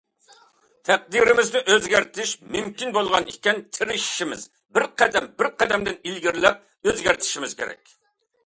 ئۆزگەرتىش مۇمكىن بولغان ئىكەن تىرىشىشىمىز، بىر قەدەم، بىر قەدەمدىن ئىلگىرىلەپ ئۆزگەرتىشىمىز كېرەك.